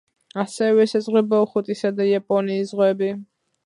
ასევე ესაზღვრება ოხოტისა და იაპონიის ზღვები.